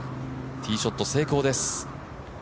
ティーショット、成功です。